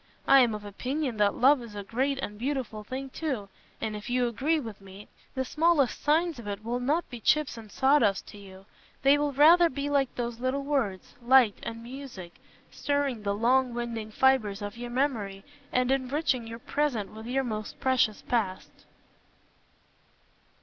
I am of opinion that love is a great and beautiful thing too, and if you agree with me, the smallest signs of it will not be chips and sawdust to you: they will rather be like those little words, "light" and "music," stirring the long winding fibres of your memory and enriching your present with your most precious past.